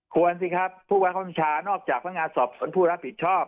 ควรสิครับผู้ไว้ค้นชานอกจากพรรณงานสอบสนผู้รับผิดชอบ